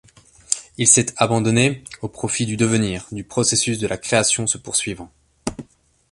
Il s'est abandonné au profit du devenir, du processus de la création se poursuivant.